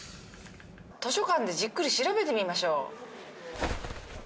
図書館でじっくり調べてみましょう。